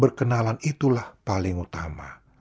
berkenalan itulah paling utama